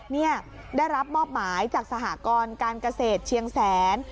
นี่ได้รับมอบหมายจากสหกรการเกษตรเชียงแสน